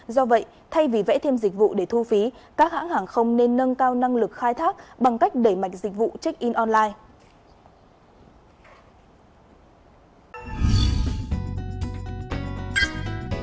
do vậy thay vì vẽ thêm dịch vụ để thu phí các hãng hàng không nên nâng cao năng lực khai thác bằng cách đẩy mạnh dịch vụ check in online